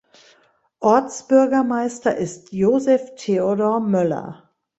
Ortsbürgermeister ist Josef Theodor Möller.